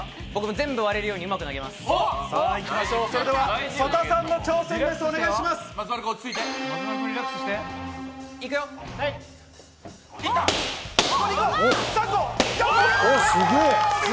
全部割れるようにうまく投げそれでは曽田さんの挑戦です。